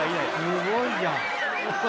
すごいじゃん！